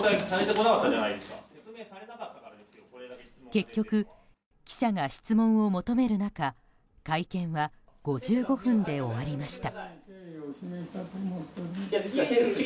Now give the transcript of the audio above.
結局、記者が質問を求める中会見は５５分で終わりました。